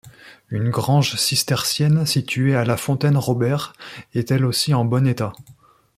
Une grange cistercienne, située à la Fontaine-Robert, est elle aussi en bon état.